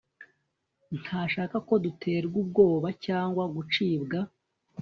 Ntashaka ko duterwa ubwoba cyangwa gucibwa